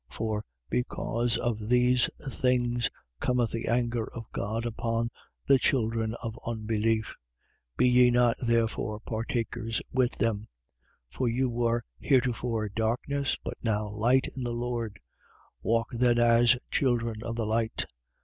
For because of these things cometh the anger of God upon the children of unbelief. 5:7. Be ye not therefore partakers with them. 5:8. For you were heretofore darkness, but now light in the Lord. Walk then as children of the light.